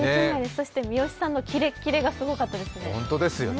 そして三好さんのキレッキレがすごかったですね。